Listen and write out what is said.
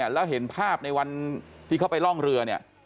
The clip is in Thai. แล้วเห็นภาพในวันที่เขาไปร่องเรือเนี่ย